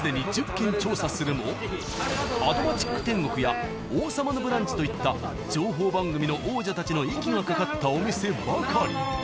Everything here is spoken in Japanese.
「アド街ック天国」や「王様のブランチ」といった情報番組の王者たちの息がかかったお店ばかり。